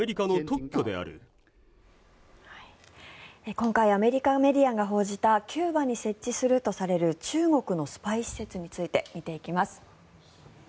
今回アメリカメディアが報じたキューバに設置するとされる中国のスパイ施設について見ていきます。